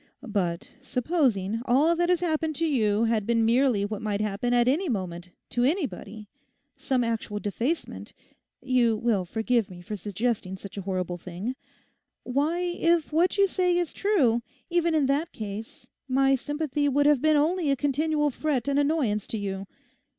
But supposing all that has happened to you had been merely what might happen at any moment to anybody, some actual defacement (you will forgive me suggesting such a horrible thing)—why, if what you say is true, even in that case my sympathy would have been only a continual fret and annoyance to you.